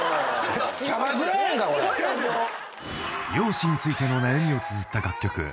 ［容姿についての悩みをつづった楽曲『美人』］